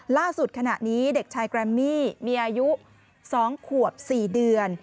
ล่าสุดขณะนี้เด็กชายแกรมมี่มีอายุ๒ขวบ๔เดือน